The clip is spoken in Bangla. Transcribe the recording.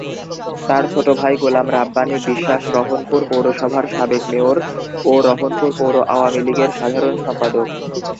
তার ছোট ভাই গোলাম রাব্বানী বিশ্বাস রহনপুর পৌরসভার সাবেক মেয়র ও রহনপুর পৌর আওয়ামীলীগের সাধারণ সম্পাদক।